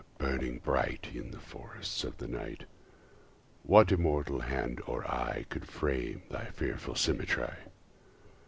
burning bright, In the forests of the night, What immortal hand or eye Could frame thy fearful symmetry?